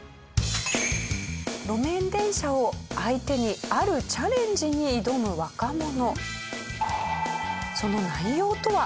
路面電車を相手にあるチャレンジに挑む若者。